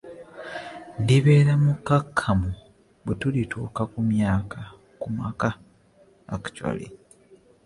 Ndibeera mukkakkamu bwe tulituuka mu maka.